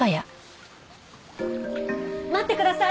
待ってください！